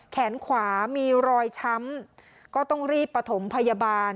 แขนขวามีรอยช้ำก็ต้องรีบประถมพยาบาล